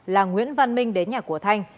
là nguyễn văn minh đến nhà của thanh